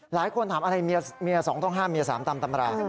หลายคนถามเมียสองต้องห้ามเมียสามตามตำรา